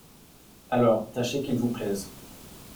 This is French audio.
Alors, tâchez qu’ils vous plaisent…